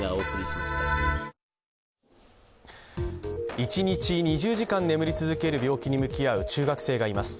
１日２０時間眠り続ける病気に向き合う中学生がいます。